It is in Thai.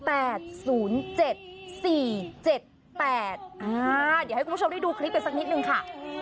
เดี๋ยวให้คุณผู้ชมได้ดูคลิปกันสักนิดนึงค่ะ